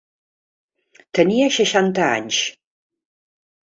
Tenia seixanta anys.